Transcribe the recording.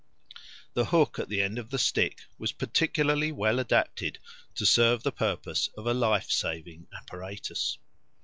The hook at the end of the stick was particularly well adapted to serve the purpose of a life saving apparatus.